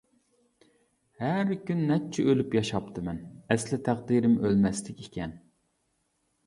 ھەر كۈن نەچچە ئۆلۈپ ياشاپتىمەن، ئەسلى تەقدىرىم ئۆلمەسلىك ئىكەن.